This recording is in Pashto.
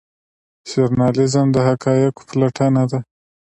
ژورنالیزم د حقایقو پلټنه ده